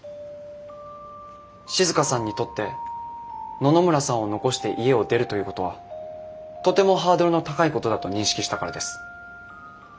静さんにとって野々村さんを残して家を出るということはとてもハードルの高いことだと認識したからです。